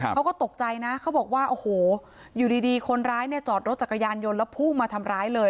เขาก็ตกใจนะเขาบอกว่าโอ้โหอยู่ดีคนร้ายเนี่ยจอดรถจักรยานยนต์แล้วพุ่งมาทำร้ายเลย